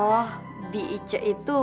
oh siapa itu